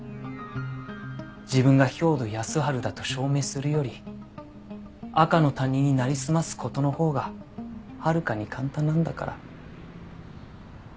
自分が兵働耕春だと証明するより赤の他人になりすます事のほうがはるかに簡単なんだから。